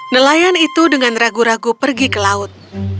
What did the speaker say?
nelayan itu dengan ragu ragu pergi ke laut